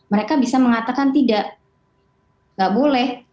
mereka bisa mengatakan tidak tidak boleh